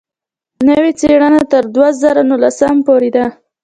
نوې څېړنه تر دوه زره نولسم پورې ده.